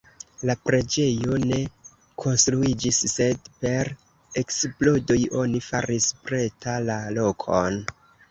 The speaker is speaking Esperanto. La preĝejo ne konstruiĝis, sed per eksplodoj oni faris preta la lokon.